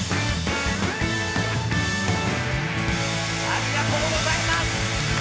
ありがとうございます！